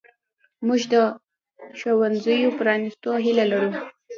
موږ د ښوونځیو پرانیستو هیله لرو.